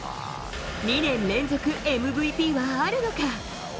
２年連続ＭＶＰはあるのか。